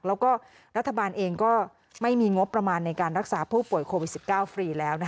แล้วก็รัฐบาลเองก็ไม่มีงบประมาณในการรักษาผู้ป่วยโควิด๑๙ฟรีแล้ว